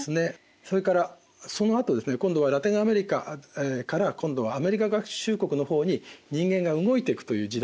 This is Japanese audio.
それからそのあと今度はラテンアメリカから今度はアメリカ合衆国の方に人間が動いていくという時代が来ます。